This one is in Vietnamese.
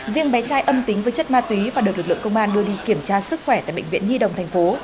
riêng bé trai âm tính với chất ma túy và được lực lượng công an đưa đi kiểm tra sức khỏe tại bệnh viện nhi đồng thành phố